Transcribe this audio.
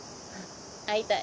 会いたい。